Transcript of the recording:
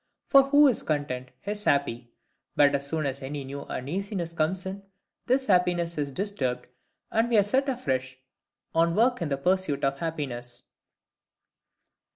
For who is content is happy. But as soon as any new uneasiness comes in, this happiness is disturbed, and we are set afresh on work in the pursuit of happiness.